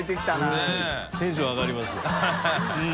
佑Аテンション上がりますよ。